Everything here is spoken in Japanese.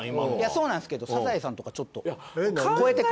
そうなんですけど『サザエさん』とかちょっと超えてくんのは。